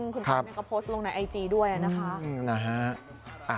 คุณภาพเนี่ยก็โพสต์ลงในไอจีด้วยนะฮะ